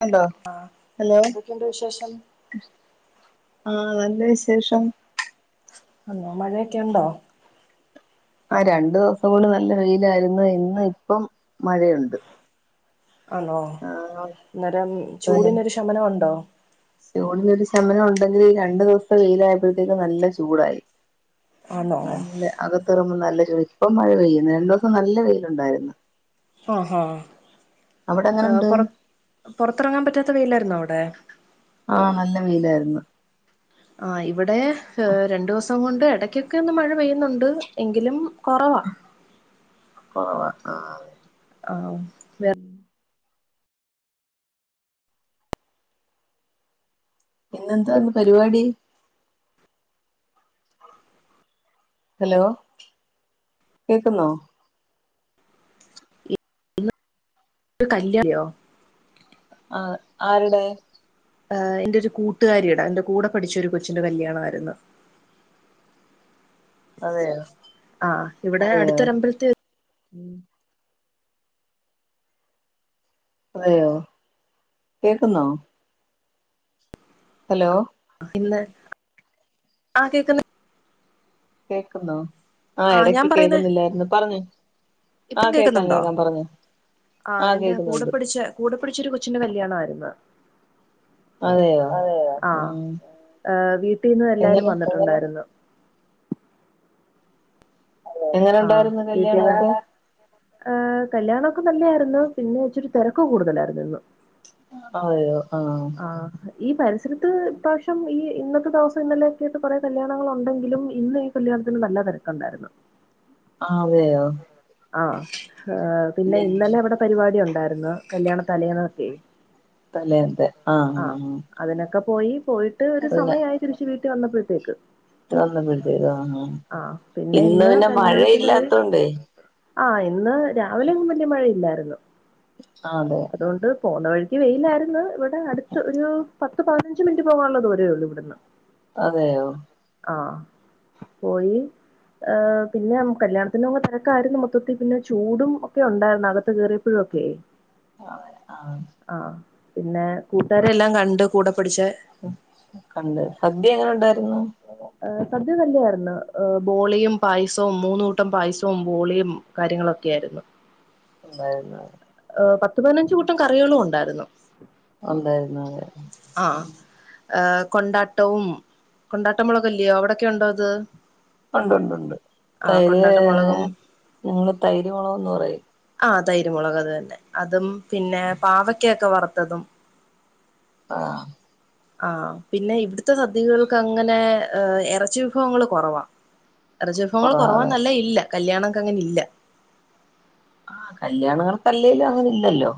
Hello hello എന്തൊക്കെയുണ്ട് വിശേഷം ആ നല്ല വിശേഷം ആ മഴയൊക്കെ ഉണ്ടോ ആ രണ്ടു ദിവസം കൊണ്ട് നല്ല വെയിലായിരുന്നു ഇന്ന് ഇപ്പം മഴയുണ്ട് ആണോ ആഹ് അന്നേരം ചൂടിനൊരു ശമനംമുണ്ടോ ചൂടിന് ഒരു ശമനം ഉണ്ടെങ്കിൽ രണ്ടു ദിവസം വെയിലായപ്പോഴത്തേക്കും നല്ല ചൂടായി ആണോ നല്ല അത പുറത്തിറങ്ങുമ്പോ നല്ല ചൂട് ഇപ്പം മഴ പെയ്യുന്നു രണ്ട് ദിവസം നല്ല വെയിലുണ്ടായിരുന്നു ആ അവിടെ എങ്ങനുണ്ട് പുറ പുറത്തിറങ്ങാൻ പറ്റാത്ത വെയിലായിരുന്നോ അവിടെ ആ നല്ല വെയിലായിരുന്നു ആ ഇവിടെ ഏ രണ്ടു ദിവസം ദിവസം കൊണ്ട് ഇടയ്ക്കൊക്കെ ഒന്ന് മഴ പെയ്യുന്നുണ്ട് എങ്കിലും കുറവ കുറവാ ആ ആ വേ പിന്നെന്താന്ന് പരിപാടി ഹലോ കേക്കുന്നോ ഒരു കല്യാ [unintelligible] ആ ആരുടെ എൻ്റെ ഒരു കൂട്ടുകാരിയട എൻ്റെ കൂടെ പഠിച്ച ഒരു കൊച്ചിൻ്റെ കല്യാണമായിരുന്നു അതെയോ ആ ഇവിടെ അതെയോ അടുതോരമ്പലത്തിൽ [inaudible] അതെയോ കേക്കുന്നോ ഹലോ ഇന്ന് ആ കേക്കുന്നു കേക്കുന്നോ ആ ഞാൻ ഇടക്ക് പറയുന്നേ കേൾക്കുന്നില്ലായിരുന്നു പറഞ്ഞോ ആ ഇപ്പം കേക്കാം കേക്കുന്നുണ്ടോ കേക്കാം പറഞ്ഞോ ആ എൻ്റെ കൂടെ പഠിച്ച കൂടെ പഠിച്ച ഒരു കൊച്ചിന്റെ കല്യാണമായിരുന്നു എന്ന അതെയോ, ഉം ആ വീട്ടീന്ന് എല്ലാരും എങ്ങനെ വന്നിട്ടുണ്ടായിരുന്നു എങ്ങനെ ഉണ്ടായിരുന്നു കല്യാണമൊക്കെ ആ കല്യാണൊക്കെ നല്ലതായിരുന്നു, പിന്നെ ഇച്ചിരി തിരക്കു കൂടുതലായിരുന്നു ഇന്ന് അതേയോ ആ ഈ പരിസരത്ത് ഈ പ്രാവശ്യം ഈ ഇന്നത്തെ ദിവസം ഇന്നലെയൊക്കെ ആയിട്ട് കൊറെ കല്യാണങ്ങൾ ഉണ്ടെങ്കിലും ഇന്ന് ഈ കല്യാണത്തിന് നല്ല തിരക്കുണ്ടായിരുന്നു. ആ അതെയോ ആ ഏഹ് പിന്നെ ഇന്നലെ ഇവിടെ പരിപാടിയു ണ്ടായിരുന്നു. കല്യാണ തലേന്നൊക്കെ തലേന്നത്തെ ആഹ് ആഹ് പോയി. പോയിട്ട് ഒരു സമയായി തിരിച്ച് വീട്ടി ട്ടിൽ വന്നപ്പത്തേക്ക്. [unintelligible] വന്നപ്പത്തേക്ക് ആഹ് ആഹ്, പിന്നെ ഇന്ന് പിന്നെ കല്യാണത്തിന് പോയി മഴയില്ലാത്തോണ്ട് വെ ആഹ് ഇന്ന് രാവിലെന്നും വലിയ മഴയില്ലാരുന്നു. [unintelligible] ആഹ്, അതെ പോകുന്ന വഴിക്ക് വെയിലായിര്ന്ന് ഇവി വിടെ അടുത്ത് ഒരു പത്ത് പതിനഞ്ച് മിനിറ്റ് പോകാനുള്ള ദൂരേ ഉള്ളൂ ഇവിടുന്ന്. അതെയോ ആഹ് പോയി. ഏഹ് പിന്നെ നമ് കല്യാണ ന്, പിന്നെ അങ്ങോട്ട് തിരക്കായിരുന്നു, മൊത്തത്തി പിന്നെ ചൂടും ഒക്കെ ഉണ്ടായിരുന്നു. അകത്ത് കയറിയപ്പോഴൊക്കെ ആഹ്, ആഹ് പിന്നെ കൂട്ടരെല്ലാം കണ്ട് കൂടെ പഠിച്ച [inaudible] കണ്ട്, സദ്യ എങ്ങനെ ഉണ്ടായിരുന്നു? ഏഹ്, സദ്യ നല്ലായിരുന്നു. ഏഹ് ബോളിയും പായസവും, മൂന്നുകൂട്ടം പായസവും ബോളിയും കാര്യങ്ങളൊക്കെയായിരുന്നു. നന്നായിരുന്നു ഏഹ്, പത്ത് പതിനഞ്ച് കൂട്ടം കറികളും ഉണ്ട്. ഉണ്ടായിരുന്നു. ഉണ്ടായിരുന്നു, അതെ ആഹ്, ഏമ് കൊണ്ടാട്ടവും, കൊണ്ടാട്ട മുളകല്യായോ അവിടൊക്കെ ഉണ്ടോ അത് ഉണ്ട്, ഉണ്ട്, ഉണ്ട്, ആഹ് തൈര് കൊണ്ടാട്ട മുളകും ഏഹ് ഞങ്ങള് തൈര് മുളകെന്ന് പറയും. തൈരുമുളക് അത് തന്നെ. അതും പിന്നെ പാവക്യക്കെ വറ് ത്തതും ആഹ് ആ പിന്നെ ഇവിടുത്തെ സദ്യകകൾക്ക് അങ്ങനെ ഏ ഇറച്ചി വിഭവങ്ങൾ കുറവാ ഇറച്ചി വിഭങ്ങൾ കുറവാ കുറവാന്നല്ല ഇല്ല കല്യാണംക്ക അങ്ങനെ ഇല്ല ആ കല്യാണങ്ങൾ കല്ലലും അങ്ങനെ ഇല്ലല്ലോ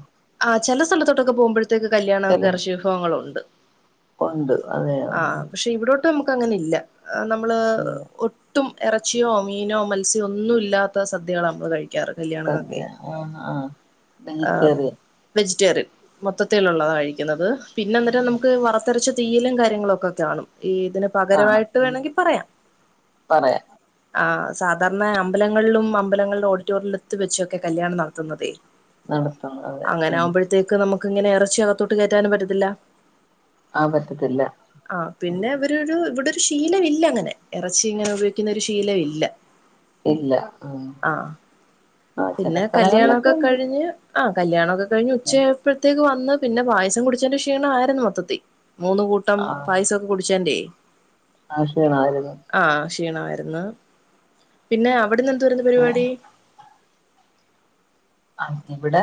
ആ ചെല സ്ഥലത്തട്ടൊക്കെ പോകുമ്പോ ത്തേക്ക് കല്യാണം ചില ഇറച്ചി വിഭവങ്ങളുണ്ട് ഉണ്ട് അതെയോ ആ പക്ഷെ ഇവിടെ ട്ടും നമുക്ക് അങ്ങനെ ഇല്ല നമ്മള് ഇല്ല ഒ ഒട്ടും ഇറച്ചിയോ മീനോ മത്സ്യ ഒന്നും ഇല്ലാത്ത സദ്യകളാ നമ്മള് കഴി സദ്യ ആ ആ ഏഹ് വെജിറ്റേറിയൻ മൊത്തത്തിലുള്ളതാ കഴിക്കുന്നത് പിന്നെ എന്നട്ടം നമുക്ക് വറു ത്തറച്ച തീയിലും കാര്യങ്ങളും ഒക്കെ കാണും ഈ ഇതിന് കാണാം പകരമായിട്ട് ഉം വേണമെങ്കിൽ പറയാം പറയാം ആ സാധാരണ അമ്പലങ്ങളിലും അമ്പലങ്ങളിലും ഓഡിറ്റോറിയത്തി വെച്ചൊക്കെ കല്യാണം നടത്തുന്നതേ നടത്തും അതെ അങ്ങനെ ഉം ആകുമ്പോഴത്തേക്ക് നമുക്ക് ക്ക് ഇങ്ങനെ ഇറച്ചി അകത്തോട്ട് കയറ്റാനും പറ്റത്തില്ല ആഹ് പറ്റത്തില്ല ആ ഉം പിന്നെ അവരരു ഇവിടെ ശീലം ഇല്ല അങ്ങനെ ഇറച്ചി ഇങ്ങനെ ഉപയോഗിക്കുന്ന ഒരു ശീലമില്ല ഇല്ല ആ ആ ചില പിന്നെ സ്ഥലങ്ങളിലൊക്കെ കല്യാണമൊക്കെ ഉണ്ട് കഴിഞ്ഞ് ആ കല്യാണമൊക്കെ കഴിഞ്ഞ് ഉച്ചയായപ്പത്തേക്ക് വ ന്ന് പിന്നെ പായസം കുടിച്ചന്റെ ക്ഷീണം ആയിരുന്നു മൊത്തത്തി മൂന്ന് കൂട്ടം ആഹ് പായസമൊക്കെ കുടിച്ചന്റെ ആഹ് ക്ഷിണാര്ന്ന് ഉം ക്ഷീണമായിരുന്നു പിന്നെ അവിട്ന്ന് എന് ന്തുവാര്ന്നു പരിപാടി ആഹ് ഇവിടെ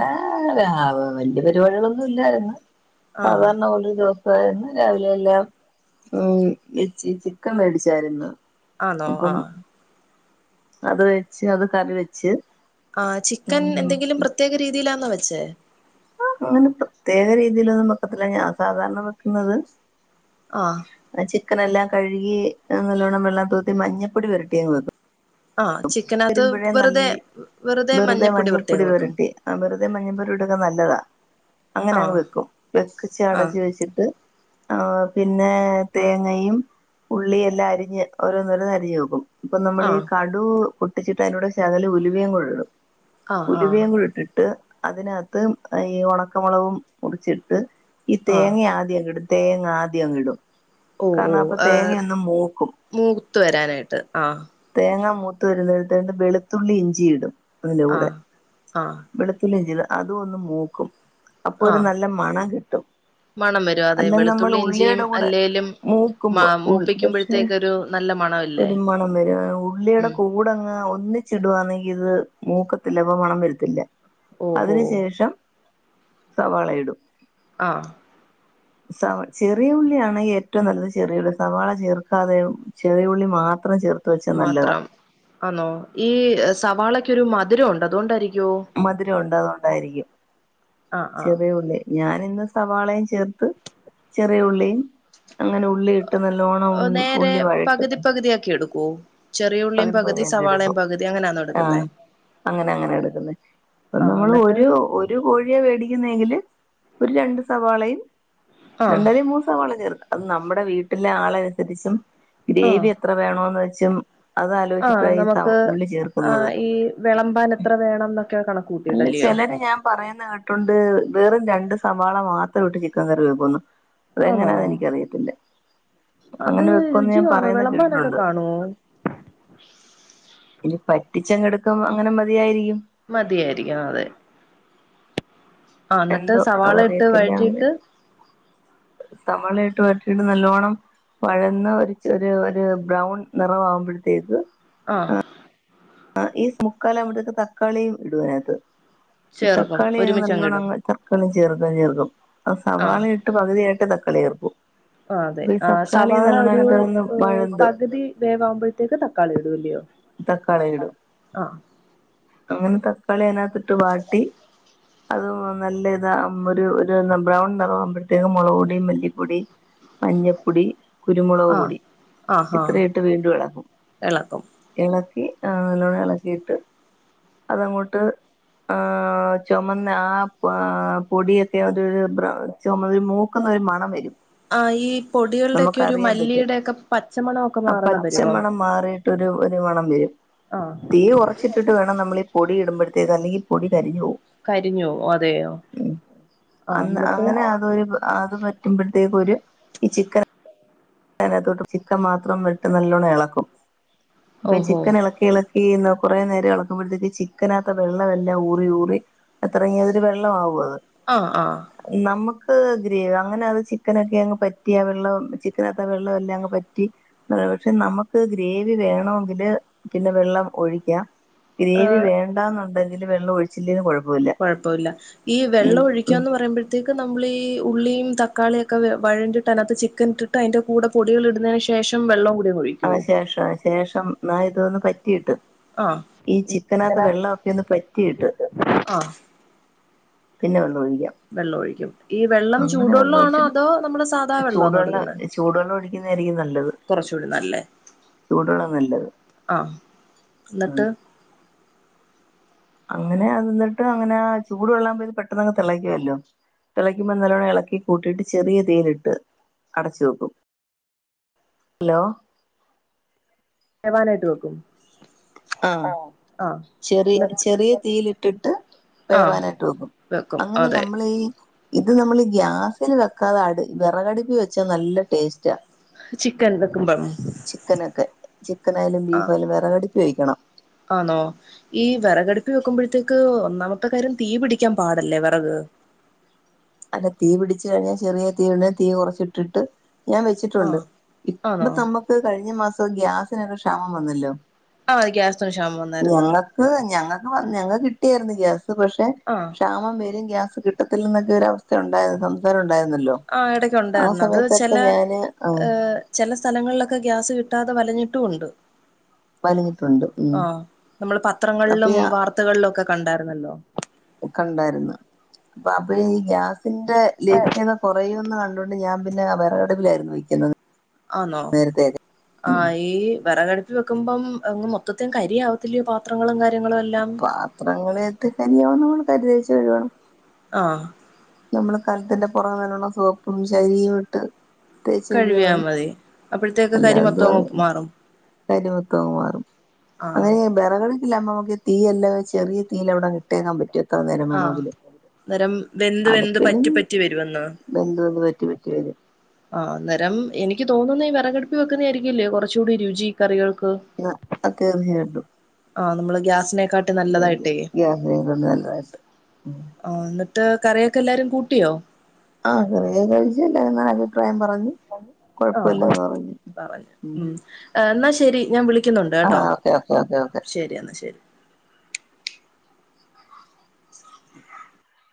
രാവ്‌ വല്യ പരിപാടികളൊന്നും ഇല്ലാര്ന്ന് ആ സാധാരണ ഒളികോ പ്പ ഇന്ന് രാവിലെ എല്ലാം ഉം ഇറച്ചി ചിക്കൻ മേടിച്ചാര്ന്നു ആന്നോ ആഹ് അത് വെച്ച് അത് കറി വെച്ച് ആ ചിക്കൻ ഉം എന്തെങ്കിലും പ്രത്യേക രീതിയിലാന് ന്നോ വെച്ചേ ആഹ് അങ്ങനെ പ്രത്യേക രീതിയിലൊന്നും വെക്കത്തില്ല ഞാൻ സാധാരണ വെക്കുന്നത് ആഹ് ക്കനെല്ലാം കഴുകി എഹ് നല്ലോണം വെള്ളം തോത്തി മഞ്ഞപ്പൊടി പെരട്ടിയങ്ങ് വെക്കും ആ ചിക്കനകത്ത് വരുമ്പോഴേ വെറുതെ നല്ല വെറുതെ മഞ്ഞപ്പൊടി പെരട്ടിയങ്ങ് വെക്കും ത് നല്ലതാ അങ്ങനെ അങ്ങ് ആഹ് വെക്കും വെച്ച് ചേ ആഹ് അടച്ച് വെച്ചിട്ട് ആഹ് പിന്നെ തേങ്ങയും ഉള്ളിയെല്ലാം അരിഞ്ഞ് ഓരോന്നോരോന്നരിഞ് വെക്കും ഇപ്പ നമ്മൾ ഈ ആഹ് കടു പൊട്ടിച്ചിട്ട് അതിനോട് ശകലം ഉലുവേം കൂടിടും ആഹ് ആഹ് ഉലുവേം കൂടിട്ടിട്ട് അതിനാത് ത്ത് ഈ ഒണക്കമുളകവും മുടിച്ചിട്ട് ഈ ആഹ് തേങ്ങ ആദ്യങ്ങിട്ന്ന് തേങ്ങ ആദ്യങ്ങ് ഇടും ഓഹ് ഓഹ് ആഹ് മൂത്ത് വരാനായിട്ട് ആഹ് മുത്ത് വരുന്നട്ത്തെട്ട് വെളുത്തുള്ളി ഇഞ്ചിയിടും അതിന്റെ കൂടെ ആഹ് ആഹ് വെളുത്തുള്ളി ഇഞ്ചി താ അതും ഒന്ന് മൂക്കും അപ്പൊ ഒരു ആഹ് നല്ല മണം കിട്ട് മണം വരും അതെ അല്ല നമ്മള് വെളുത്തുള്ളി ഇഞ്ചിയും ഉള്ളിയുടെ കൂടെ അല്ലേലും മ മൂക്കുമ്പോ ഉൾ പക്ഷെ മൂപ്പിക്കുമ്പോഴത്തേക്കൊരു നല്ല മണമില്ലേ ഒരു മണം വരും ആഹ് ഉള്ളിടെ ഉം കൂടങ്ങ് ഒന്നിച്ച് ഇടുവാണെങ്കി ഇത് മൂക്കത്തില്ല അപ്പ മണം വരത്തില്ല ഓഹോ അതിനു ശേഷം സവാള ഇടും ആഹ് സവാൾ മാത്രം ആന്നോ ഈ സവാളക്കൊരു മ ധുരൊണ്ടു അതൊണ്ടായിരി മധുരം ഉണ്ട് അതുകൊണ്ടായിരിക്കും ആഹ് ആഹ് ചെറിയ ഉള്ളി ഞാൻ ഇന്ന് സവാളയും ചേർത്ത് ചെറിയ ഉള്ളിയും അങ്ങനെ ഉള്ളി ഇ നേരെ പകുതി പകുതിയാക്കി എടുക്കോ? ചെറിയ ഉള്ളിയും പകുതി പകുതി ആക്കി സവാളയും എടുക്കും പകുതി അങ്ങനെയാണോ ആഹ എടുക്കുന്നേ അങ്ങനെ അങ്ങനെ എടുക്കുന്നെ അപ്പൊ ആഹ് നമ്മള് എന്നിട്ട് ഒരു ഒരു കോഴിയെ വേടിക്കുന്നെങ്കില് ഒരു രണ്ടു സവാളയും ആഹ് രണ്ടലെ മൂന്ന്സവാള ചേർക്കാം. അത് നമ്മുടെ വീട്ടിലെ ആളനുസരിച്ചും ആഹ് ഗ്രേവി എത്ര വേണോന്ന് വെ ച്ചും. ആഹ് അതലോചിച്ചിട്ടാണ് സ ഈ നമുക്ക് ഉള്ളി ചേർക്കുന്നത് ആഹ് ഈ വിളമ്പാൻ എത്ര വേണം എന്നൊക്കെ കണക്ക് അല്ല കൂട്ടിയിട്ടല്ലയോ ചെലര് ഞാൻ പറയുന്ന കേട്ടോണ്ട് വെറും രണ്ട് സവാള മാത്രം ഇട്ട് ചിക്കൻ കറി വെക്കുന്നു. അതെങ്ങനാ ആണോ എനിക്കറിയത്തില്ല അത് അങ്ങനെ വെക്കുന്ന് രുചി ഞാൻ കാണോ പറയുന്ന വിളമ്പാനൊക്കെ കേട്ടിട്ടുണ്ട്. കാണുവോ [inaudible] പറ്റിച്ചെങ്ങെടുക്കും അങ്ങനെ മതിയായിരിക്കും. മതിയായിരിക്കും ആഹ് അതെ. ആ എന്നിട്ട് എന്തോ സവാള ഇട്ട് അതറിയത്തില്ല അങ്ങനെ വഴറ്റീയിട്ട് സവാളയിട്ട് വരറ്റിട്ട് നല്ലോണ്ണം വഴന്ന് ഒരു ഒരു ബ്രൗൺ നിറം ആകുമ്പോഴത്തേക്ക് ആഹ. ആ ഈ മുക്കാലാവുമ്പോത്തേക്ക് തക്കാളിയും ഇടു അതിനകത്ത്. ഈ ചേർക്കും തക്കാളി അങ്ങ് നല്ലോണ്ണം ഒരുമിച്ചങ്ങിടും അങ്ങ് തക്കാളി ഞ്ഞ് ചേർക്കും ചേർക്കും. അ ആഹ് സവാളയിട്ട് പകുതിയായിട്ട് ത [unintelligible] ആഹ് അതെ ആഹ് സവാള ഒരു കിടന്ന് വഴന്തും പകുതി വേവകുമ്പോഴത്തേക്ക് തക്കാളി ഇടുല്ലയോ? [unintelligible] അങ്ങനെ തക്കാളി അതിനകത്തിട്ട് വാട്ടി അതും നല്ല ഇതാ ഒരു ബ്രൗൺ നിറകുമ്പോഴത്തേക്കും മുളക്പൊടി, മല്ലിപ്പൊടി, മഞ്ഞപ്പൊടി കുരുമുളക് ആഹ് പൊടി ആഹാ ഇത്രയും ഇട്ട് വീണ്ടും ഇളക്കും എളക്കും ഇള ആ ഇളക്കിയിട്ട് അതങ്ങോട്ട് ആ ചുമന്ന ആ പൊടിയൊക്കെ ഒരു ബ്ര ചുമന്നരു മൂക്കുന്ന ഒരു മണം വരും ആ ഈ പൊടികളുടെക്കെ ഒരു നമുക്കറിയാൻ പറ്റും മല്ലിയുടെക്കെ പച്ചമണൊക്കെ ആ മാറുന്ന വരുവോ പച്ചമണം മാറിയിട്ടൊരു ഒരു മണം വരും തീ കുറച്ചിട്ടിട്ട് വേണം നമ്മളീ [unintelligible] പൊടി ഇടുമ്പോഴത്തേക്ക്‌ അല്ലെങ്കിൽ പൊടി കരിഞ്ഞ് പോവും കരിഞ്ഞു പോവോ അതെയോ ആഹ് അന്ന് എന്നിട്ട് അങ്ങനെ അതരു അത് പറ്റുമ്പോത്തേക്ക്‌ ഒരു ഈ ചിക്കൻ അനാത്തോട്ട് ചിക്കൻ മാത്രം വെച്ച് നല്ലോണം എളക്കും ഇപ്പ ഈ ഓഹോ ചിക്കൻ ഇളക്കി ഇള ഈന്ന കുറേ നേരം എളക്കുമ്പോഴത്തേക്ക് ചിക്കനകത്ത വെള്ളം എല്ലാം ഊറി ഊറി അത്രങ്ങി അതില് വെള്ളാവു അത് അ ആ ആ ഗ്രേവി അങ്ങനെ അത് ചിക്കനൊക്കെ അങ്ങ് പറ്റിയ ആ വെള്ളം ചിക് ചിക്കനകത്ത വെള്ള എല്ലാം അങ്ങ് പറ്റി [unintelligible] പക്ഷെ നമക്ക് ഗ്രേവി വേണോങ്കില് പിന്നെ വെള്ളം ഒഴിക്കാം ഗ്രേവി വേണ്ടാന്നുണ്ടെങ്കി അതില് വെള്ളം ഒഴിച്ചില്ലേലും കൊഴ കുഴപ്പല്ല ഈ വെള്ളം ഉം ഒഴിക്കാന്ന് പറയുമ്പൊഴത്തേക്ക് നമ്മൾ ഈ ഉള്ളീം തക്കാളിയൊക്കെ വെ വഴണ്ടിട്ട് അ തിനകത്ത് ചിക്കൻ ഇട്ടിട്ട് അതിന്റെ കൂടെ പൊടികൾ ഇടുന്നേനു ശേഷം വെള്ളം കൂടി അങ്ങ് ആന് ഒഴിക്കുവോ ശേഷ ശേഷം എന്നാ ഇതൊന്ന് പറ്റിട്ട് ആഹ് ഈ ചിക്കനത്ത വെള്ളോക്കെ ഒന്ന് പറ്റിട്ട് ആഹ് പിന്നെ വന്നു ഒഴി വെള്ളം ഒഴിക്കും ഈ വെള്ളം ചൂടുവെള്ളം വെള്ളം ആണോ ഒഴിച്ചിട്ട് അതോ നമ്മള സാധാ വെള്ളാന്നോ ചൂടുവെള്ളം എടുക്കുന്നെ ചൂടുവെള്ളം ഒഴിക്കുന്നതായിരിക്കും നല്ലത് കുറച്ചുകൂടി നല്ലേ ചൂടുവെള്ളം നല്ലത് ആ ന്നിട്ട് ഉം. അങ്ങനെ അത് ന്നിട്ട് അങ്ങനെ ആ ചൂട് വെള്ളാമ്പത് പെട്ടെന്ന് അങ്ങ് തെളയ്ക്കുല്ലോ തിളക്കുമ്പോ നല്ലോണം ഇളക്കി കൂട്ടിട്ട് ചെറിയ തീയിലിട്ട് അടച്ചു വെക്കും ലോ വേവാനായിട്ട് വെക്കും ഓ ആ ചെറി ചെറിയ തീയിലിട്ടിട്ട് ആഹ് വേവാനായിട്ട് വെക്കും അങ്ങനെ നമ്മളി ഈ ഇത് നമ്മള് ഗ്യാസിൽ വെക്കാതെ അട് വെറകടുപ്പി വെച്ചാ നല്ല ടേസ്റ്റാ ചിക്കൻ വെക്കുമ്പം ചിക്കനൊക്കെ ചിക്കനയാലും ബീഫാലും വെറകടി പയോഗിക്കണം ആന്നോ ഈ വെറകടുപ്പി വെക്കുമ്പോഴത്തേക്ക് ഒന്നാമത്തെ കാര്യം തീ പിടിക്കാൻ പാടല്ലേ വെറക് അല്ല തീ പിടിച്ച കഴിഞ്ഞാ ചെറിയ തീണ് തീ കുറച്ച് ഇട്ടിട്ട് ഞാൻ വെച്ചിട്ടുണ്ട് ആഹ് ഇപ്പ ആണോ തമ്മ ക്ക് കഴിഞ്ഞ മാസം ഇപ്പൊ ഗ്യാസിനൊക്ക ക്ഷാമം വന്നല്ലോ ആഹ് ഗ്യാസിന് ക്ഷാമം വന്നായിരുന്നു ഞങ്ങക്ക് ഞങ്ങക്ക് വന്ന ഞങ്ങക്ക്‌ കി [unintelligible] പക്ഷെ ആഹ് ക്ഷാമം വരും ഗ്യാസ് കിട്ടത്തില്ലന്നക്കെരവസ് ഒറ്റെണ്ടാര്ന്നു സംസാരം ഒ ണ്ടായിരുന്നല്ലോ ആഹ് ഇടയ്ക്ക് ആ ഉണ്ടായിരുന്നു അത് സമയത്തൊക്കെ ചില ഞാന് ആ ഏഹ് ചില സ്ഥലങ്ങളിലൊക്കെ ഗ്യാസ് കിട്ടാതെ വലഞ്ഞിട്ടുണ്ട് വലിഞ്ഞിട്ടുണ്ട് ഉം ആ നമ്മള് പത്രങ്ങളിലും അപ്പൊ വാർത്തകളിലും ഒക്കെ കണ്ടായിരുന്നല്ലോ ഒക്കെ ഉണ്ടായിരുന്നു അപ്പൊ അപ്പ ഈ ഗ്യാസ് ന്റെ ലഭ്യതക കൊറയുമെന്ന് കണ്ട് കണ്ടോണ്ട് ഞാൻ പിന്നെ വെറ കടുപ്പിലായിരുന്നു വെക്കുന്നത് ആണോ നേരത്തെയൊക്കെ ആ ഉം ഈ വിറകടുപ്പിൽ വെക്കുമ്പം മൊത്തത്തിൽ അങ്ങ് കരിയാവത്തില്ലേ പാത്രങ്ങളും കാര്യങ്ങളും എല്ലാം പാത്രങ്ങൾ എട്ട കനിയാവള കരിതിരിച്ചു കഴുകണം ആ നമ്മുടെ കലത്തിന്റെ പുറകെയുള്ള സോപ്പും ചകിരിയും ഇട്ട് തേച്ച് കഴുകിയാ കഴിവിയാ മതി അപ്പോഴത്തേക്ക് കരി മൊത്തം അങ്ങ് മാറും കരിമൊത്തങ്ങ് മാറും ആഹ് അങ്ങനെ ബേറകള് ഇല്ല അമ്മമുക്ക് തീയല്ലാത ചെറിയ തീയിലങ്ങ് അവിടെ ഇട്ടേക്കാൻ പറ്റും എത്ര നേരം ആ വേണമെങ്കിലും അന്നേരം എന്ത് എന്ത് പറ്റിപ്പറ്റി വരുമെന്നോ ബന്ധത് പറ്റി പറ്റി വരും ആ അന്നേരം എനിക്ക് തോന്നുന്ന് ഈ വിറകടുപ്പിൽ വെക്കുന്നത് ആയിരിക്കൂല്ലേ കുറച്ചുകൂടി രുചി കറികൾ ആ തറി കണ്ടു [unintelligible] ആ നമ്മള് ഗ്യാസിനേ അ ഗ്യാസിനെ കാട്ടിയും നല്ലതായിട്ട് മ് കറിയൊക്കെ എല്ലാരും കൂട്ടിയോ ആ കറിയൊക്കെ കഴിച്ച് നല്ല അഭിപ്രായം പറഞ്ഞ് ആ കൊഴപ്പമില്ലെന്ന് പറഞ്ഞു പറഞ്ഞു ഉം ശരി ഞാൻ വിളിക്കാം ളിക്കുന്നുണ്ട് കേട്ടോ ആഹ് ഓക്കെ ഓക്കെ ഓക്കെ ഓക്കെ ശരി എന്നാ ശരി [unintelligible]